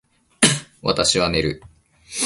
私は寝る